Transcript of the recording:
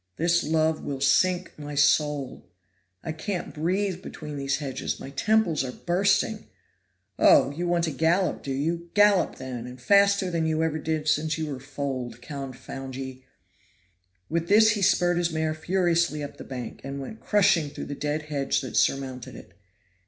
This love will sink my soul! I can't breathe between these hedges; my temples are bursting! Oh! you want to gallop, do you? gallop, then, and faster than you ever did since you were foaled confound ye!" With this he spurred his mare furiously up the bank, and went crushing through the dead hedge that surmounted it.